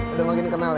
udah makin kenal ya